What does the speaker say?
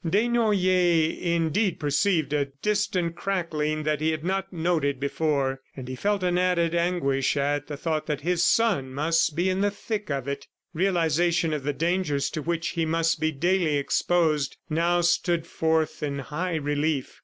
Desnoyers indeed perceived a distant crackling that he had not noted before, and he felt an added anguish at the thought that his son must be in the thick of it. Realization of the dangers to which he must be daily exposed, now stood forth in high relief.